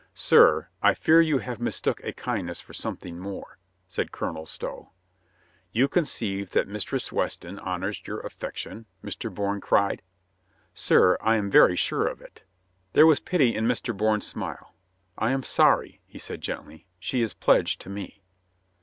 "Sir, I fear you have mistook a kindness for some thing more," said Colonel Stow. "You conceive that Mistress Weston honors your affection?" Mr. Bourne cried. "Sir, I am very sure of it." There was pity in Mr. Bourne's smile. "I am sorry," he said gently ; "she is pledged to me."